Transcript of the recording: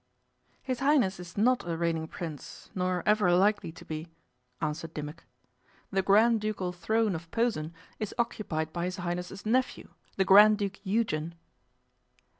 'His Highness is not a reigning Prince, nor ever likely to be,' answered Dimmock. 'The Grand Ducal Throne of Posen is occupied by his Highness's nephew, the Grand Duke Eugen.